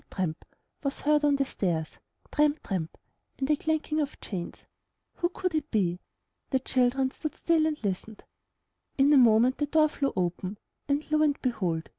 tramp ! was heard on the stairs, tramp ! tramp ! and a clanking of chains! Who could it be? The children stood still and listened. *Tn a moment the door flew open, and lo and behold